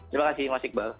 terima kasih mas iqbal